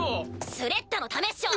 スレッタのためっしょ！